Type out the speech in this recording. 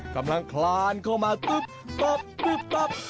กำลังคลานเข้ามาตุ๊บตับตุ๊บตับ